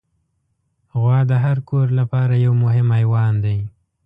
غوا د هر کور لپاره یو مهم حیوان دی.